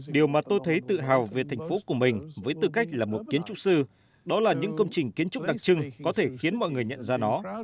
điều mà tôi thấy tự hào về thành phố của mình với tư cách là một kiến trúc sư đó là những công trình kiến trúc đặc trưng có thể khiến mọi người nhận ra nó